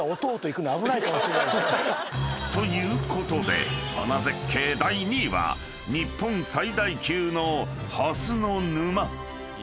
［ということで花絶景第２位は日本最大級のハスの沼］